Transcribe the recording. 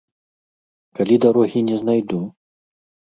Калі дарогі не знайду?